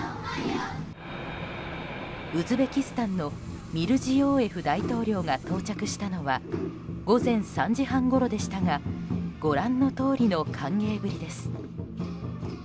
ウズベキスタンのミルジヨーエフ大統領が到着したのは午前３時半ごろでしたがご覧のとおりの歓迎ぶりです。